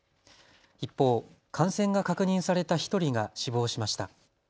一方、感染が確認された１人が死亡しました。